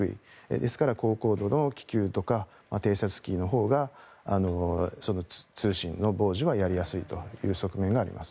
ですから、高高度の気球とか偵察機のほうが通信の傍受はやりやすいという側面があります。